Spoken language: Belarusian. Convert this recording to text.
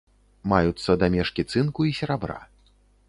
Маюцца дамешкі цынку і серабра.